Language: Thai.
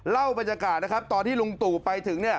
เล่าบรรยากาศนะครับตอนที่ลุงตู่ไปถึงเนี่ย